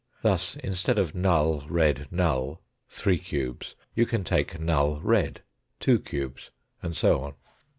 Thus, instead of null, red, null, three cubes, you can take null, red, two cubes, and so on.